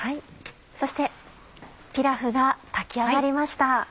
そしてピラフが炊き上がりました。